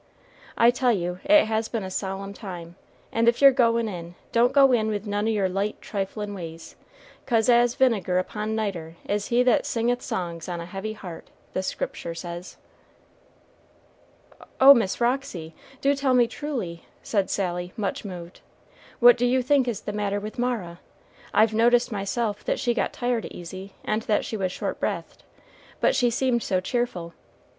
I tell you it has been a solemn time; and if you're goin' in, don't go in with none o' your light triflin' ways, 'cause 'as vinegar upon nitre is he that singeth songs on a heavy heart,' the Scriptur' says." "Oh, Miss Roxy, do tell me truly," said Sally, much moved. "What do you think is the matter with Mara? I've noticed myself that she got tired easy, and that she was short breathed but she seemed so cheerful.